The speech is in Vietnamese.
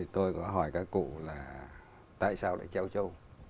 tôi có hỏi các cụ là tại sao lại treo trâu